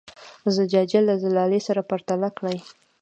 زجاجیه له زلالیې سره پرتله کړئ.